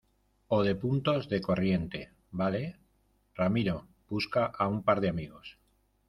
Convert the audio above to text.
o de puntos de corriente, ¿ vale? ramiro , busca a un par de amigos